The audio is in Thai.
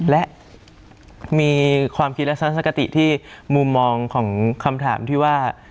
และมีความคิดลักษณะคติที่มุมมองของคำถามที่ว่า